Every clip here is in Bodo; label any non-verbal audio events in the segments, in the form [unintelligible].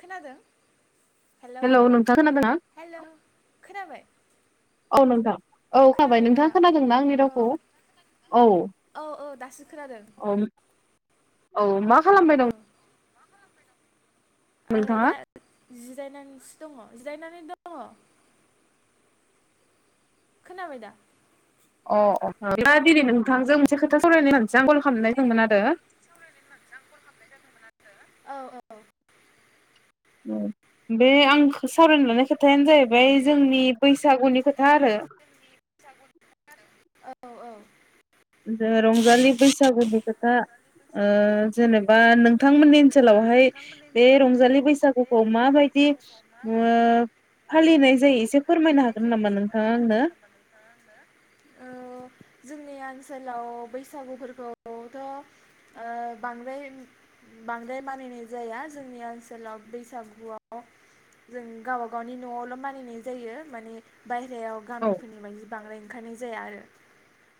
खोनादों हेलौ नोंथां खोनादोंना? हेलौ खोनाबाय औ नोंथां औ खोनाबाय नोंथाङा खोनादोंना आंनि औ रावखौ औ औ औ दासो खोनादों औ औ मा खालामबाय औ दं आङो नोंथाङा? दा जि जिरायनानैसो दङ जिरायनानै दङ खोनाबाय दा अ अ दा दिनै नोंथांजों मोनसे खोथा सावरायनो [inaudible] कल खालामनाय दोंमोन आरो औ औ बे आंखो सावरायनो लानाय खोथायानो जाहैबाय जोंनि बैसागुनि खोथा आरो औ औ जोङो रंजालि बैसागुनि खोथा ओ जेनेबा नोंथांमोननि ओनसोलावहाय बे रंजालि बैसागुखौ माबायदि ओ फालिनाय जायो एसे फोरमायनो हागोन नामा नोंथाङा आंनो निया ओनसोलाव बैसागुफोरखौथ' ओ बांद्राय बांद्राय मानिनाय जाया जोंनि ओनसोलाव बैसागुआव जों गावबागावनि न'आवल' मानिनाय जायो माने बाय रायाव औ गामिफोरनि बायदि बांद्राय ओंखारनाय जाया आरो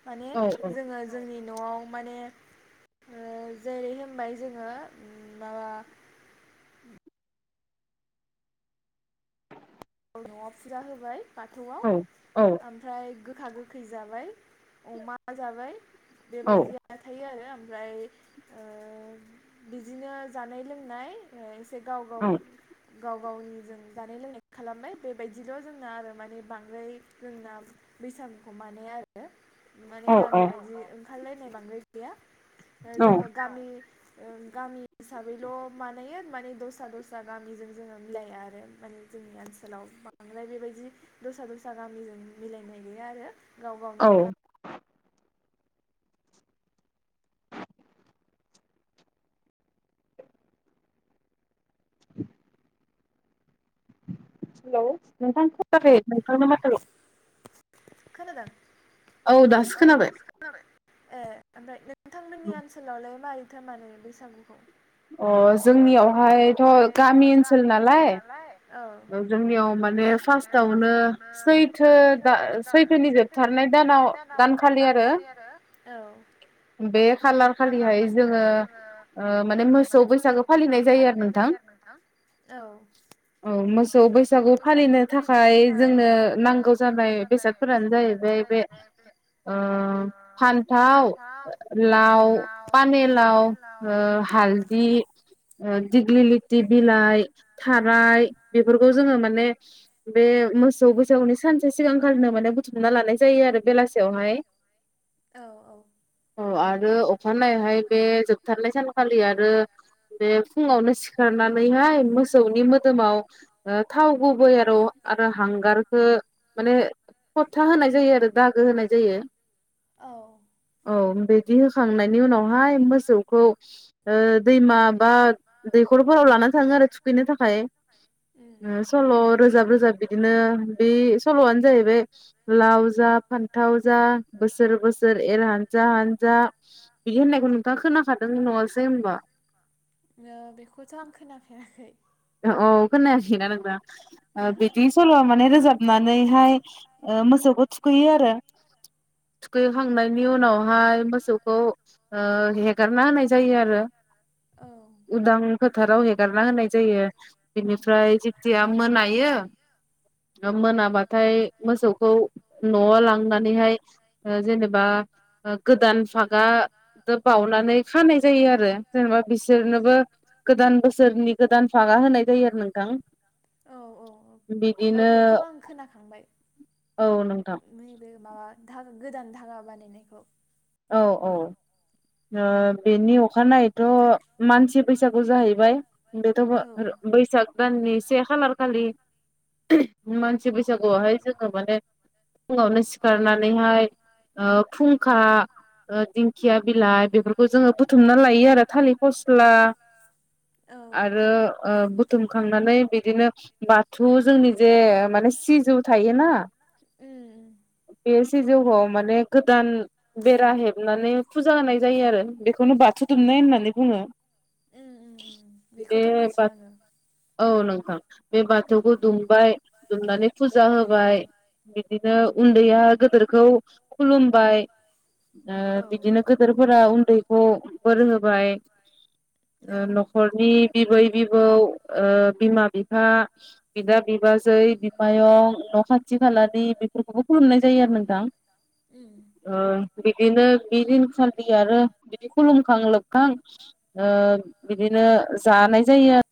माने औ औ जोङो जोंनि न'आव माने ओ जेरै होमबाय जोङो उम माबा न'आव फुजा होबाय बाथौआव औ औ ओमफ्राय गोखा गोखै जाबाय अमा जाबाय औ बेबायदिया थायो आरो आ ओमफ्राय ओ बिजिनो जानाय लोंनाय ओ से गाव गाव गाव गावनिजों जानाय लोंनाय खालामबाय बेबायदिल' जोंना आरो माने बांद्राय जोंना बैसागुखौ मानाया आरो माने औ गामि बायदि ओं खार लायनाय बांद्राय गैया ओ औ जोङो गामि ओं गामि हिसाबैल' बानायो माने दस्रा दस्रा गामिजों जोङो मिलाया आरो माने जोंनि ओनसोलाव बांद्राय बेबायदि दस्रा दस्रा गामिजों मिलायनाय गैया आरो। गाव गावनि गा [inaudible] हेलौ नोंथां [unintelligible] नोंथांनि माथो खोनादों? औ दासो खोनाबाय। ए ओमफ्राय नों थांमोननि ओनसोलावलाय माइ थो मानो बैसागुखौ अ जोंनियावहायथ गामि ओनसोल नालाय औ ओ जोंनियाव माने फास्टआवनो सैथो दा आ सैथोनि जोबथारनाय दानाव दानखालि आरो औ बे खालार खालिहाय जोङो ओ माने मोसौ बैसागु फालिनाय जायो आरो नोंथां औ औ मोसौ बैसागु फालिनो थाखाय जोंनो नांगौ जानाय फ्रानो जाहैबाय बे ओ फान्थाव लाव पानेलाव ओ हालदि ओ दिग्लि लिथि बिलाइ थाराय बेफोरखौ जोङो माने बे मोसौ बैसागुनि सानसे सिगांखालिनो माने बुथुमना लानाय जायो आरो बेलासियावहाय। औ औ औ आरो अखानायैहाय बे जोबथारनाय सानाव खालि आरो बे फुङावनो सि खारनानैहाय मोसौनि मोदोमाव ओ थाव गुबै आरो आरो हांगारखो माने फथा होनाय जायो आरो दागो होनाय जायो औ औ। बिदि होखांनायनि उनावहाय मोसौखौ ओ दैमा बा दैखरफोराव लाना थाङो आरो थुखैनो थाखाय। उम उम ओ सल' रोजाब रोजाब बिदिनो बे सल'आनो जाहैबाय लाव जा फान्थाव जा बोसोर बोसोर एर हानजा हानजा बिदि होननायखौ नोंथाङा खोनाखा बेखौथ आं खोनाफेराखै। औ खोनायाखै ना नोंथां ओ ओहो बिदि सल'आ माने रोजाबनानैहाय ओ मोसौखौ थु थुखैयो आरो थुखैखांनायनि उनावहाय मोसौखौ ओ हेगारना होनाय जायो आरो। औ उदां फोथाराव हेगारना होनाय जायो। औ बिनिफ्राय जेथिया मोनायो मोनाबाथाय मोसौखौ नयाव लां नानैहाय ओ जेनेबा ओ गोदान फागा बावनानै खानाय जायो आरो। जेनेबा बिसोरनोबो गोदान बोसोरनि गोदान फांखा होनाय जायो आरो नोंथां। औ औ बिदिनो बेखौ आं खोनाखांबाय औ नोंथां [unintelligible] गोदान धागा बानायनायखौ औ औ ओ बेनि अखानायैथ' मानसि बैसागु जाहैबाय बेथ' औ बैसाग दाननि से खालार खालि मानसि बैसागुआवहाय जोङो माने फुङावनो सिखारनानैहाय ओ फुंखा ओ दिंखिया बिलाइ बेफोरखौ जोङो बुथुमना लायो आरो थालिर फस्ला औ आरो आ बुथुमखांनानै बिदिनो बा थु जोंनि जे माने सिजौ थायोना उम बे सिजौआव माने गोदान बेरा हेबनानै फुजा होनाय जायो आरो बेखौनो बा तु दुमनाय होननानै बुङो उम उम उम बेखौथ' बे मिथियो आङो औ नों बे उम बाथौखौ दुमबाय दुमनानै फुजा होबाय बिदिनो बिनो उन्दैया गदोरखौ खुलुमबाय ओ औ बिदिनो गोदोरफोरा उन खौ फोरों होबाय ओ औ न'खरनि बिबै बिबौ ओ बिमा बिफा बिदा बिबाजै बिमायं न' खाथि खालानि बेफोरखौबो खुलुमनाय जायो आरो नोंथां। उम ओ बिदिनो बि दिनखालि आरो बिदि खुलुमखां लोबखां ओ बिदिनो जानाय जायो।